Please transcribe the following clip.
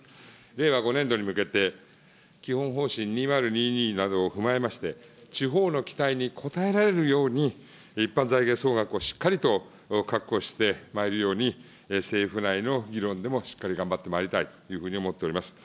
令和５年度に向けて、基本方針２０２２などを踏まえまして、地方の期待に応えられるように、一般財源総額をしっかりと確保してまいるように、政府内の議論でも、しっかり頑張ってまいりたいというふうに思っております。